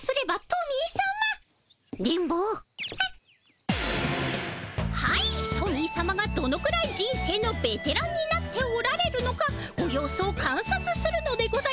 トミーさまがどのくらい人生のベテランになっておられるのかご様子をかんさつするのでございますね。